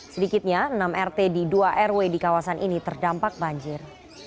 sedikitnya enam rt di dua rw di kawasan ini terdampak banjir